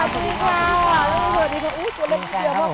สวัสดีครับ